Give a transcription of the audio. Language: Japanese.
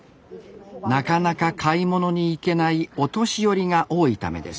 なかなか買い物に行けないお年寄りが多いためです